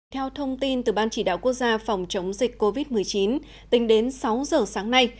theo thông tin từ ban chỉ đạo quốc gia phòng chống dịch covid một mươi chín tính đến sáu giờ sáng nay